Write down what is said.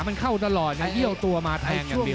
มันเข้าตลอดไงเยี่ยวตัวมาแทงอย่างเดียว